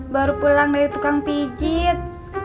baru pulang dari tukang pijit